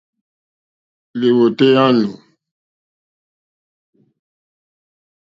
Lìwòtéyá á nù.